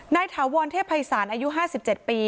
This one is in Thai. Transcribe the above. ถาวรเทพภัยศาลอายุ๕๗ปี